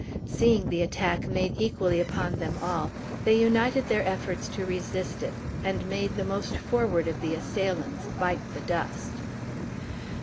Seeing the attack made equally upon them all, they united their efforts to resist it, and made the most forward of the assailants bite the dust.